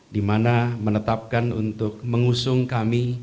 dimana menetapkan untuk mengusung kami